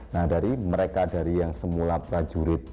nah dari mereka dari yang semula prajurit